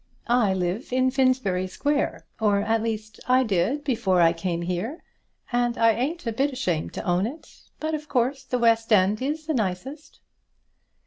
I live in Finsbury Square, or at least, I did before I came here, and I ain't a bit ashamed to own it. But of course the west end is the nicest."